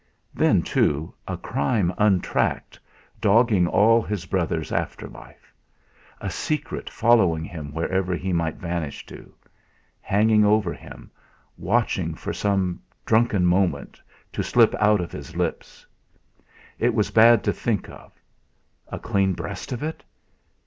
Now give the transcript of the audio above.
Then, too, a crime untracked, dogging all his brother's after life; a secret following him wherever he might vanish to; hanging over him, watching for some drunken moment, to slip out of his lips. It was bad to think of. A clean breast of it?